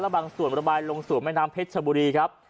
บางส่วนระบายลงสู่แม่น้ำเพชรชบุรีครับ